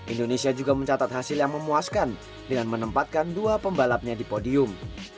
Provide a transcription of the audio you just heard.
indonesia juga mencatat hasil yang memuaskan dengan menempatkan dua pembalapnya di podium